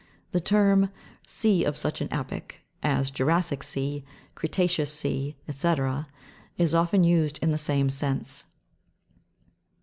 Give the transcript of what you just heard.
The term, sea of such an epoch, as jura'ssic sea, creta'ceous sea, &c., is often used in the same sense.